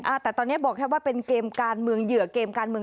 แต่ตอนนี้บอกแค่ว่าเป็นเกมการเมืองเหยื่อเกมการเมือง